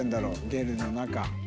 ゲルの中。